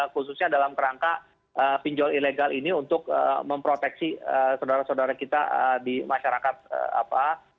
khususnya dalam kerangka pinjol ilegal ini untuk memproteksi saudara saudara kita di masyarakat apa